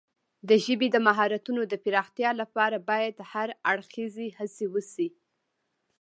د ژبې د مهارتونو د پراختیا لپاره باید هر اړخیزه هڅې وشي.